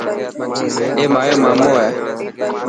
اي مايو مامو هي.